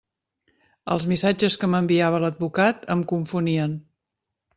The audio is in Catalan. Els missatges que m'enviava l'advocat em confonien.